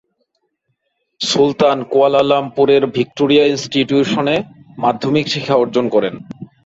সুলতান কুয়ালালামপুরের ভিক্টোরিয়া ইনস্টিটিউশনে মাধ্যমিক শিক্ষা অর্জন করেন।